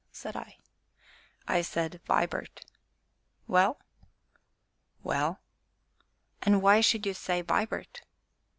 said I. "I said, 'Vibart'!" "Well?" "Well?" "And why should you say 'Vibart'?"